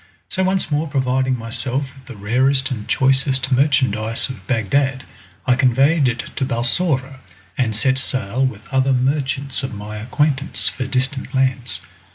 So once more providing myself with the rarest and choicest merchandise of Bagdad, I conveyed it to Balsora, and set sail with other merchants of my acquaintance for distant lands.